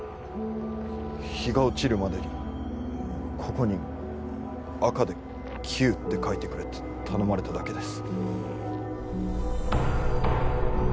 日が落ちるまでにここに赤で９って書いてくれって頼まれただけです